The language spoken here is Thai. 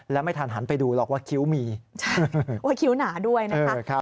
และไม่ทันหันไปดูหรอกว่าคิ้วมีว่าคิ้วหนาด้วยนะคะ